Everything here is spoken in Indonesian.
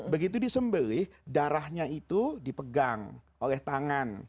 begitu disembelih darahnya itu dipegang oleh tangan